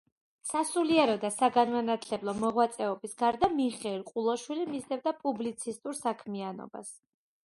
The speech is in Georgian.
სასულიერო და საგანმანათლებლო მოღვაწეობის გარდა, მიხეილ ყულოშვილი მისდევდა პუბლიცისტურ საქმიანობას.